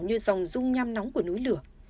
như dòng rung nham nóng của núi lửa